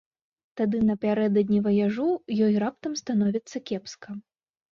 Тады напярэдадні ваяжу ёй раптам становіцца кепска.